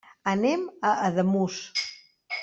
Anem a Ademús.